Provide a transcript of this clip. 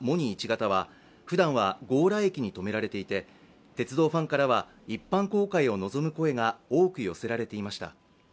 １形は、ふだんは強羅駅に止められいて、鉄道ファンからは一般公開を望む声が多く寄せられていました。